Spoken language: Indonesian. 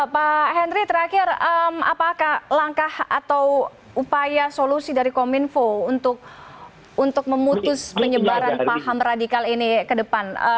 pak henry terakhir apakah langkah atau upaya solusi dari kominfo untuk memutus penyebaran paham radikal ini ke depan